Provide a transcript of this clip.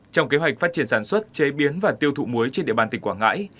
trong kế hoạch phát triển sản xuất chế biến và tiêu thụ muối trên địa bàn tỉnh quảng ngãi